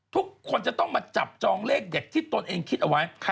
ทุกคนจะต้องมาจับจองเลขเด็ดที่ตนเองคิดเอาไว้